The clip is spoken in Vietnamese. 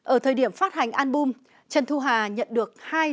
ở thời điểm phát hành album trần thu hà nhận được hai ca khúc